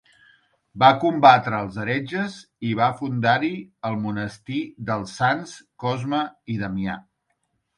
Va combatre als heretges i va fundar-hi el monestir dels Sants Cosme i Damià.